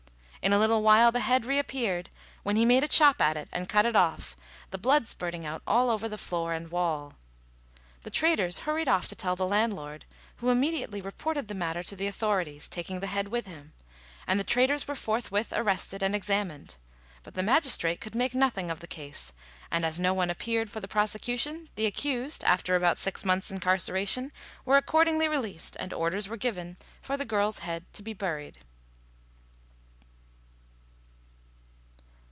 In a little while the head re appeared, when he made a chop at it and cut it off, the blood spurting out all over the floor and wall. The traders hurried off to tell the landlord, who immediately reported the matter to the authorities, taking the head with him, and the traders were forthwith arrested and examined; but the magistrate could make nothing of the case, and, as no one appeared for the prosecution, the accused, after about six months' incarceration, were accordingly released, and orders were given for the girl's head to be buried.